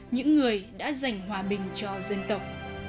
những người đã giành hòa bình cho dân tộc